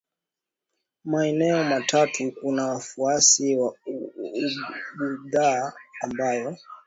maeneo matatu kuna wafuasi wa Ubuddha ambayo